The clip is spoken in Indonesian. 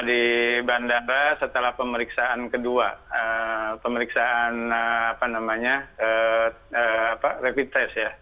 tiba di bandara setelah pemeriksaan kedua pemeriksaan rapid test